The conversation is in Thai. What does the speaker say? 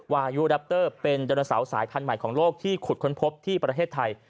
วายุแรปเตอร์เป็นไดโนเสาร์สายพันธุ์ใหม่ของโลกที่ขุดค้นพบที่ประเทศไทย